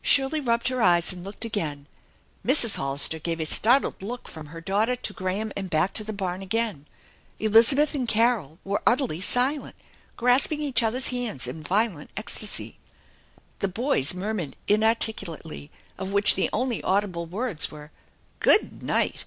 Shirley rubbed her eyes, and looked again. Mrs. Hollister gave a startled look from her daughter to Graham and back to the barn again. Elizabeth and Carol were utterly silent, grasping each other's hands in violent ecstasy. The boys murmured inarticulately, of which the only audible words were :" Good night